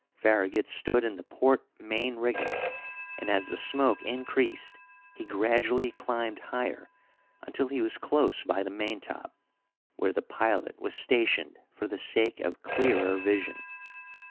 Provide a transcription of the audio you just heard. Farragut stood in the port main rigging, and as the smoke increased he gradually climbed higher, until he was close by the maintop, where the pilot was stationed for the sake of clearer vision.